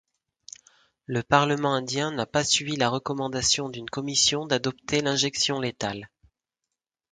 Le parlement indien n'a pas suivi la recommandation d'une commission d'adopter l'injection létale.